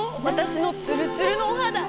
私のツルツルのお肌！